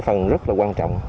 phần rất là quan trọng